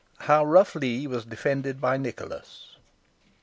HOW ROUGH LEE WAS DEFENDED BY NICHOLAS.